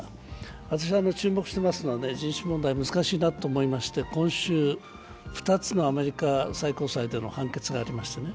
私が注目していますのはね、人種問題、難しいなと思いまして、今週２つのアメリカ最高裁での判決がありますね。